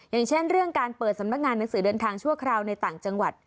อย่างเช่นเรื่องการเปิดสำนักงานหนังสือเดินทางชั่วคราวในต่างจังหวัด